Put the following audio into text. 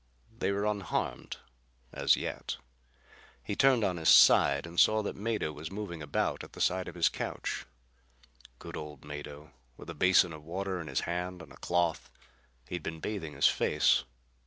They were unharmed as yet. He turned on his side and saw that Mado was moving about at the side of his couch. Good old Mado! With a basin of water in his hand and a cloth. He'd been bathing his face.